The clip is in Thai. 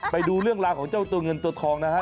ไปดูเรื่องราวของเจ้าเงินตัวทองนะฮะ